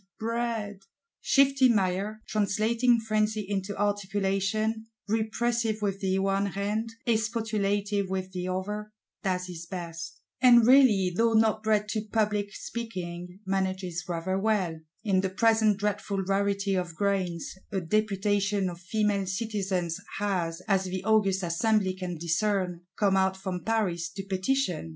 Bread!' Shifty Maillard, translating frenzy into articulation; repressive with the one hand, expostulative with the other, does his best; and really, though not bred to public speaking, manages rather well:—In the present dreadful rarity of grains, a Deputation of Female Citizens has, as the august Assembly can discern, come out from Paris to petition.